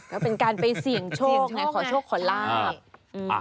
ก็เป็นการไปเสี่ยงโชคไงขอโชคขอลาบ